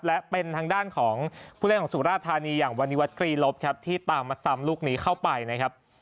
และเป็นทางด้านของผู้เล่นของสุราธานีอย่างวันนี้วัดกรีลบครับที่ตามมาซ้ำลูกนี้เข้าไปนะครับ